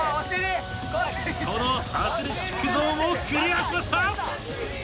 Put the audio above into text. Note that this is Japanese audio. このアスレチックゾーンをクリアしました。